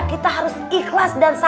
kita harus ikhlas dan sehat